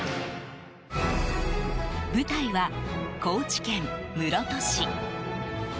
舞台は、高知県室戸市。